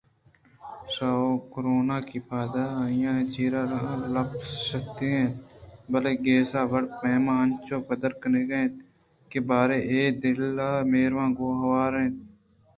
شان ءُگروناکی پاد انی چیرا لپاشتگ اِت اَنت بلئے گیسا ءِ وڑ ءُپیم انچوش پدّر کنگ ءَ اِت اَنت کہ باریں آ پہ دل آئی ءِ مہراں گوں ہوار اَنت کہ ناں